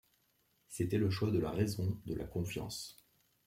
C’était le choix de la raison, de la confiance.